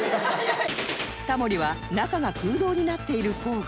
タモリは中が空洞になっている工具